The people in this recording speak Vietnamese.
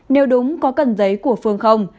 nếu đúng có cần giấy của phương không